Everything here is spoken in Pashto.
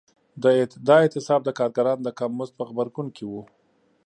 دا اعتصاب د کارګرانو د کم مزد په غبرګون کې و.